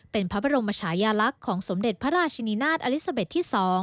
เป็นพระบรมชายาลักษณ์ของสมเด็จพระราชินินาศอลิซาเบ็ดที่๒